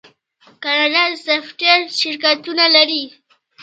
کاناډا د سافټویر شرکتونه لري.